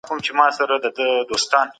په تحقیق کي صداقت تر هر څه ډېر اړین دئ.